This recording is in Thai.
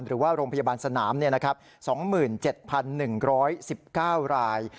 หรือว่าโรงพยาบาลสนาม๒๗๑๑๙ราย